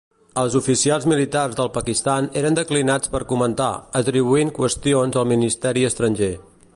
Els oficials militars del Pakistan eren declinats per comentar, atribuint qüestions al ministeri estranger.